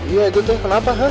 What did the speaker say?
iya itu tuh kenapa kak